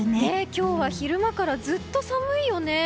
今日は昼間からずっと寒いよね！